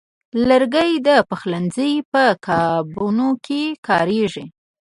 لرګی د پخلنځي په کابینو کې کاریږي.